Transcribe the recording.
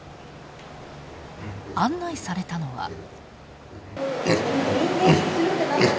案内されたのは。